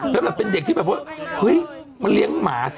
แต่เราเคยขมวยของคุณย่า